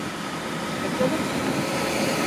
Kaçalım!